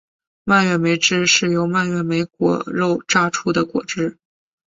蔓越莓汁是由蔓越莓果肉榨出的果汁。